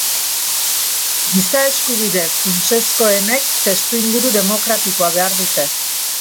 Giza-eskubide funtsezkoenek testuinguru demokratikoa behar dute.